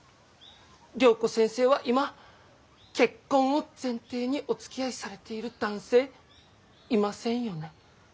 良子先生は今結婚を前提におつきあいされている男性いませんよね？